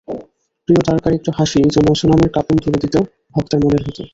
প্রিয় তারকার একটু হাসি যেন সুনামির কাঁপন তুলে দিত ভক্তের মনের ভেতর।